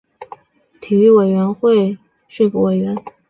台湾跆拳道运动学会副理事长行政院体育委员会训辅委员